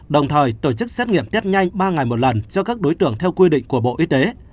đồng thời tổ chức xét nghiệm test nhanh ba ngày một lần cho các đối tượng theo quy định của bộ y tế